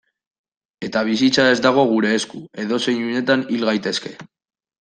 Eta bizitza ez dago gure esku, edozein unetan hil gaitezke.